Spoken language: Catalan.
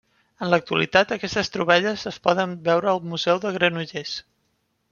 En l'actualitat, aquestes troballes es poden veure al Museu de Granollers.